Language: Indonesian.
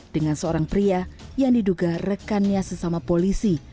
dengan seorang pria yang diduga rekannya sesama polisi